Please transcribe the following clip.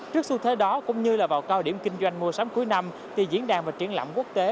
trước xu thế đó cũng như là vào cao điểm kinh doanh mua sắm cuối năm thì diễn đàn và triển lãm quốc tế